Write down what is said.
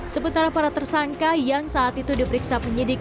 sementara para tersangka yang saat itu diperiksa penyidik